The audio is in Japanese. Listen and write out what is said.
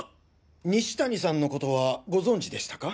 西谷さんのことはご存じでしたか？